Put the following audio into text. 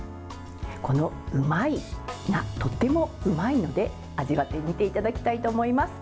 このウマイが、とてもうまいので味わってみていただきたいと思います。